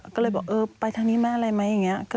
ก็เลยบอกไปทางนี้มาอะไรไหม